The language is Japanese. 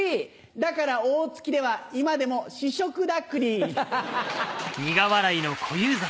だから大月では今でも主食だクリ。